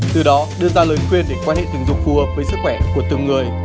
từ đó đưa ra lời khuyên để quan hệ tình dục phù hợp với sức khỏe của từng người